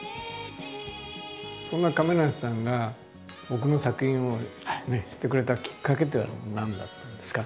そんな亀梨さんが僕の作品を知ってくれたきっかけっていうのは何だったんですか？